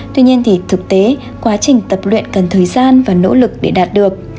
tuy nhiên thì thực tế quá trình tập luyện cần thời gian và nỗ lực để đạt được